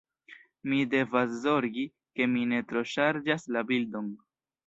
Mi devas zorgi, ke mi ne troŝarĝas la bildon.